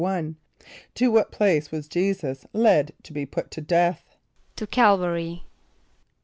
= To what place was J[=e]´[s+]us led to be put to death? =To C[)a]l´va r[)y].